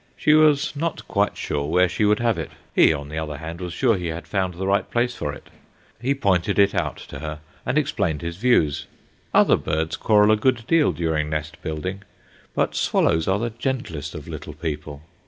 She was not quite sure where she would have it. He, on the other hand, was sure he had found the right place for it. He pointed it out to her and explained his views. Other birds quarrel a good deal during nest building, but swallows are the gentlest of little people.